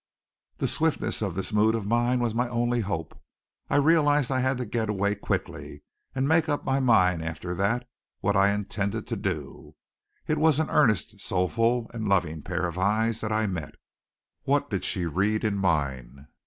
The swiftness of this mood of mine was my only hope. I realized I had to get away quickly, and make up my mind after that what I intended to do. It was an earnest, soulful, and loving pair of eyes that I met. What did she read in mine?